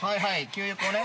給油口ね。